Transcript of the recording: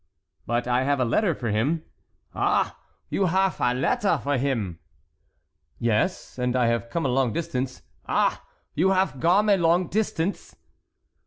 "But I have a letter for him." "Ah, you haf a ledder for him?" "Yes, and I have come a long distance." "Ah! you haf gome a long tistance?"